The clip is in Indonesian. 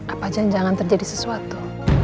apa janjangan terjadi sesuatu